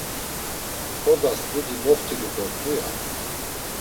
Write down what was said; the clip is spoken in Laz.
Ǩodas dudi noft̆ilu dort̆u ya.